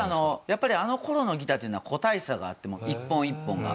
やっぱりあの頃のギターっていうのは個体差があって一本一本が。